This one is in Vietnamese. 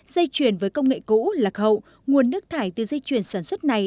dây chuyển với công nghệ cũ lạc hậu nguồn nước thải từ dây chuyền sản xuất này